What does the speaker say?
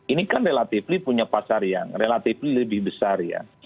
ini kan relatifly punya pasar yang relatif lebih besar ya